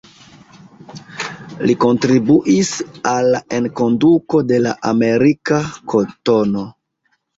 Li kontribuis al la enkonduko de la amerika kotono.